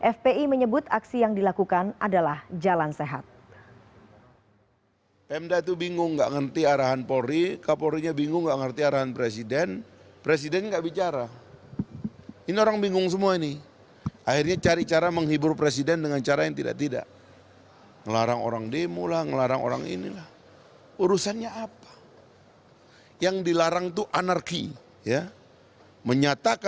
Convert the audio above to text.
fpi menyebut aksi yang dilakukan adalah jalan sehat